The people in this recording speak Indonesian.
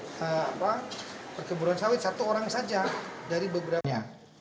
nah apa perkemburan sawit satu orang saja dari beberapa